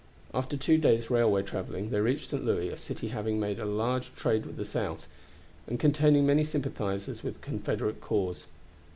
After two days' railway traveling they reached St. Louis, a city having a large trade with the South, and containing many sympathizers with the Confederate cause.